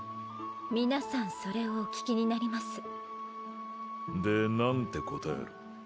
皆さんそれをお聞きになりますで何て答える？